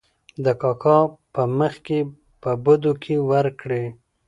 د کاکا په مخکې په بدو کې ور کړې .